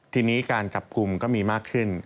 ทีนี้การจับกลุ่มก็มีมากขึ้น